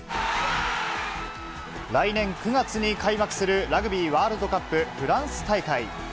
来年９月に開幕するラグビーワールドカップフランス大会。